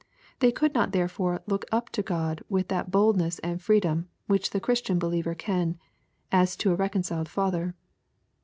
Tbey could not therefore look up to God with that boldness and freedom which the Christian believer can, as to a reconciled Father.